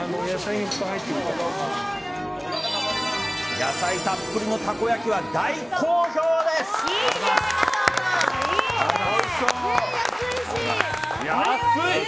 野菜たっぷりのたこ焼きは大好評です！